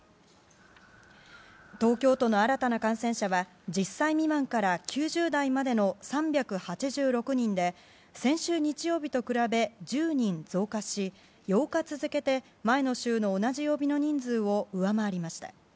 東京都の新たな感染者は１０歳未満から９０代までの３８６人で先週日曜日と比べ１０人増加し８日続けて、前の週の同じ曜日の人数を上回りました。